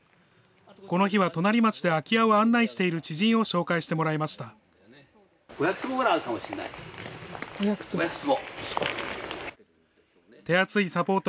この日は隣町で空き家を案内している知人を紹介してもらいました。